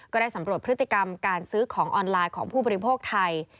ก็ได้สำรวจพฤติกรรมการซื้อของออนไลน์ของผู้บริโภคไทย